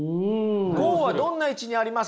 合はどんな位置にあります？